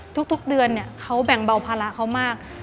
ทุกเดือนเขาแบ่งเบาภาระเขามาก